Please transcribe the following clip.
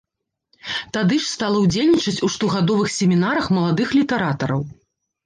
Тады ж стала ўдзельнічаць у штогадовых семінарах маладых літаратараў.